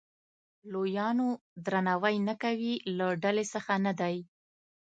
لویانو درناوی نه کوي له ډلې څخه نه دی.